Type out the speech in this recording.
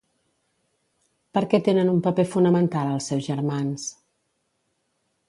Per què tenen un paper fonamental els seus germans?